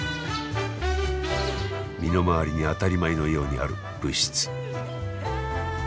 身の回りに当たり前のようにある物質。